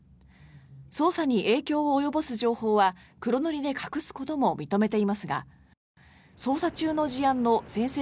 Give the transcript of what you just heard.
捜査に影響を及ぼす情報は黒塗りで隠すことも認めていますが捜査中の事案の宣誓